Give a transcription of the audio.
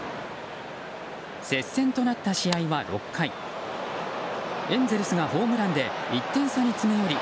接戦となった試合は６回エンゼルスがホームランで１点差に詰め寄り